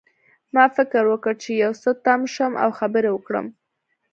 ما فکر وکړ چې یو څه تم شم او خبرې وکړم